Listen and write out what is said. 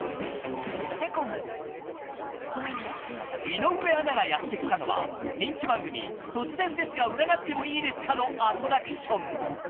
［井上アナがやって来たのは人気番組『突然ですが占ってもいいですか？』のアトラクション］